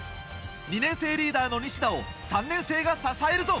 ２年生リーダーの西田を３年生が支えるぞ！